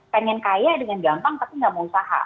pengen kaya dengan gampang tapi nggak mau usaha